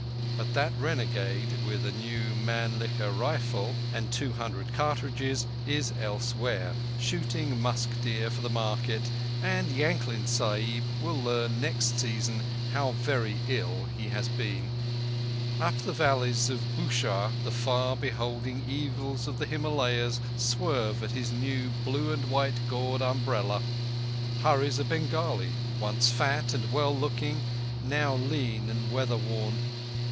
But that renegade, with a new Mannlicher rifle and two hundred cartridges, is elsewhere, shooting musk deer for the market, and Yankling Sahib will learn next season how very ill he has been. Up the valleys of Bushahr—the far beholding eagles of the Himalayas swerve at his new blue and white gored umbrella—hurries a Bengali, once fat and well looking, now lean and weather worn.